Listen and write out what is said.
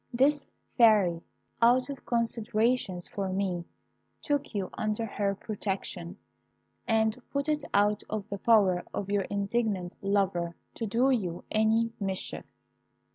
This Fairy, out of consideration for me, took you under her protection, and put it out of the power of your indignant lover to do you any mischief.